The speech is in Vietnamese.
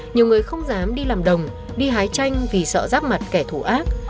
nhiều người không dám đi làm đồng đi hái chanh vì sợ rắc mặt kẻ thủ ác